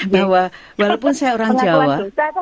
bahwa walaupun saya orang jawa